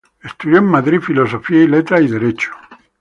Estudió en Madrid Filosofía y Letras y Derecho.